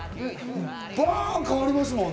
パン、変わりますもんね。